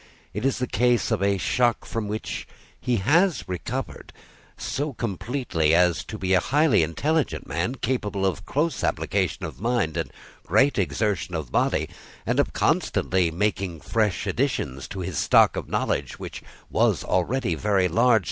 It is the case of a shock from which he has recovered, so completely, as to be a highly intelligent man, capable of close application of mind, and great exertion of body, and of constantly making fresh additions to his stock of knowledge, which was already very large.